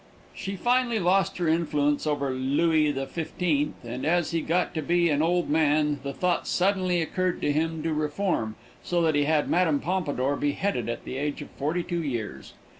She finally lost her influence over Looey the XV, and as he got to be an old man the thought suddenly occurred to him to reform, and so he had Mme. Pompadour beheaded at the age of forty two years.